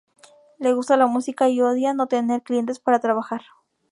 Les gusta la música y odian no tener clientes para trabajar.